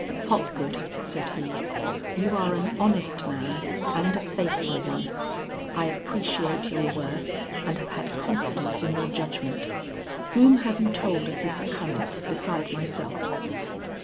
"Hopgood," said he, "you are an honest man and a faithful one; I appreciate your worth and have had confidence in your judgment. Whom have you told of this occurrence beside myself?"